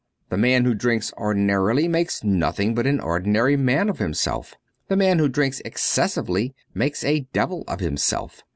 The man who drinks ordinarily makes nothing but an ordinary man of himself. The man who drinks excessively makes a devil of himself.